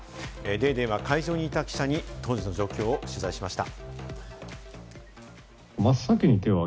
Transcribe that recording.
『ＤａｙＤａｙ．』は会場にいた記者に当時の状況を取材しました。